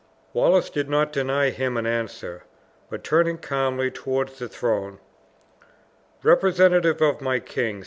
Wallace did not deign him an answer, but turning calmly toward the throne, "Representative of my king!"